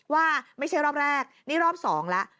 ว่าไม่ใช่รอบแรกนี่รอบสองแล้ว